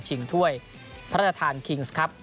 ถ้วยพระราชทานคิงส์ครับ